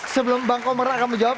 sebelum bang komra kamu jawab